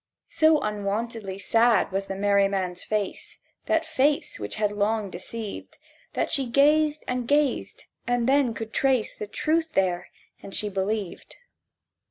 So unwontedly sad was the merry man's face— That face which had long deceived— That she gazed and gazed; and then could trace The truth there; and she believed.